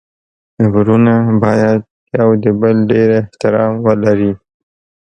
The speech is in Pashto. ورونه باید يو د بل ډير احترام ولري.